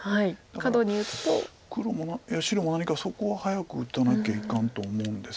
だから白も何かそこを早く打たなきゃいかんと思うんですが。